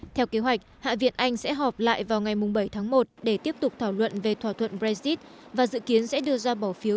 theo kế hoạch hạ viện anh sẽ họp lại vào ngày bảy tháng một để tiếp tục thảo luận về thỏa thuận brexit và dự kiến sẽ đưa ra bỏ phiếu